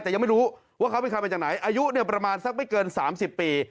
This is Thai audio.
แต่ยังไม่รู้ว่าเขาไปขับไปจากไหนอายุเนี่ยประมาณสักไม่เกินสามสิบปี